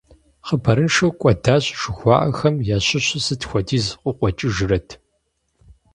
«Хъыбарыншэу кӀуэдащ», жыхуаӀахэм ящыщу сыт хуэдиз къыкъуэкӀыжрэт?